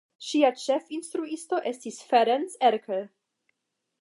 Ŝia ĉefinstruisto estis Ferenc Erkel.